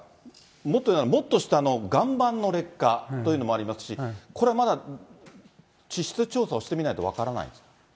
もっと言うなら、もっと下の岩盤の劣化というのもありますし、これはまだ地質調査をしてみないと分からないんですか。